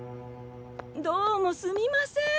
どうもすみません。